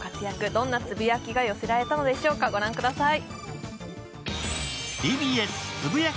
どんなつぶやきが寄せられたのでしょうか、ご覧ください。